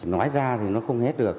nói ra thì nó không hết được